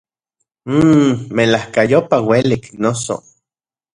Mmmm, ¡melajkayopa uelik, noso!